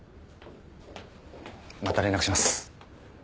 また連絡します。